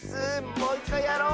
もういっかいやろう！